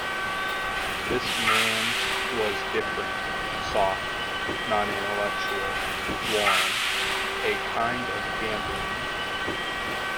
This man’s was different: soft, non-intellectual, warm, a kind of gambolling.